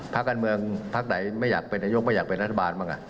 พักการเมืองพักไหนไม่อยากเป็นนายกไม่อยากเป็นรัฐบาลบ้าง